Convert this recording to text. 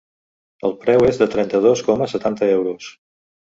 El preu és de trenta-dos coma setanta euros.